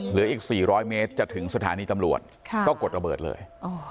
เหลืออีก๔๐๐เมตรจะถึงสถานีตำรวจก็กดระเบิดเลย